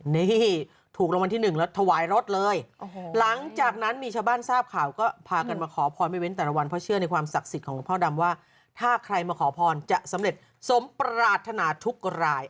นี่ถูกรางวัลที่หนึ่งแล้วถวายรถเลยหลังจากนั้นมีชาวบ้านทราบข่าวก็พากันมาขอพรไม่เว้นแต่ละวันเพราะเชื่อในความศักดิ์สิทธิ์ของหลวงพ่อดำว่าถ้าใครมาขอพรจะสำเร็จสมปรารถนาทุกราย